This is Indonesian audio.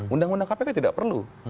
undang undang kpk tidak perlu